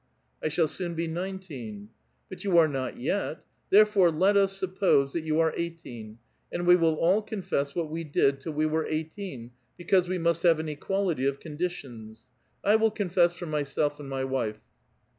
" I shall soon be nineteen." "But you are not yet; therefore, let us suppose that you are eighteen, and we will all confess what we did till we were eighteen, because we must have an equality of condi tions. I will confess for myself and my wife.